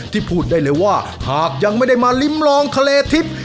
พูดได้เลยว่าหากยังไม่ได้มาลิ้มลองทะเลทิพย์